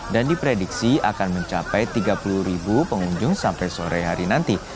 diprediksi akan mencapai tiga puluh pengunjung sampai sore hari nanti